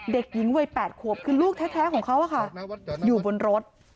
เด็กหญิงวัย๘ขวบคือลูกแท้ของเขาอยู่บนรถ